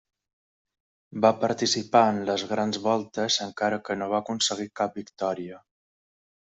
Va participar en les grans voltes encara que no va aconseguir cap victòria.